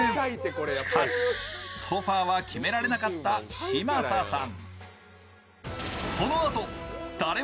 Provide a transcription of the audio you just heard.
しかしソファーは決められなかった嶋佐さん。